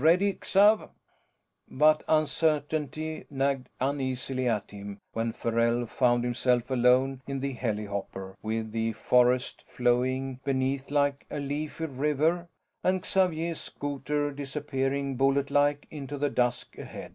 Ready, Xav?" But uncertainty nagged uneasily at him when Farrell found himself alone in the helihopper with the forest flowing beneath like a leafy river and Xavier's scouter disappearing bulletlike into the dusk ahead.